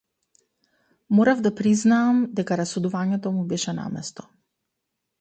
Морав да признаам дека расудувањето му беше на место.